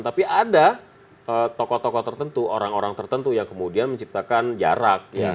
tapi ada tokoh tokoh tertentu orang orang tertentu yang kemudian menciptakan jarak